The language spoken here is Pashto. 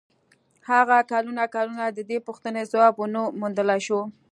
هغه کلونه کلونه د دې پوښتنې ځواب و نه موندلای شو.